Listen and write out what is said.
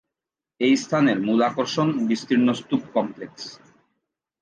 এই স্থানের মূল আকর্ষণ বিস্তীর্ণ স্তূপ কমপ্লেক্স।